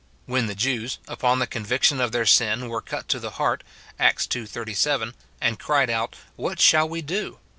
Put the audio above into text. When the Jews, upon the conviction of their sin, were cut to the heart. Acts ii. 37, and cried out, "What shall we do